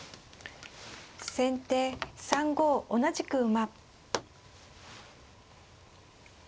先手３五同じく馬。